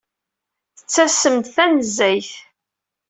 Tettasem-d tanezzayt.